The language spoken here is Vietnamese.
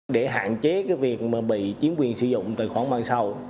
để hạn chế việc bị chiến quyền sử dụng tài khoản mạng sầu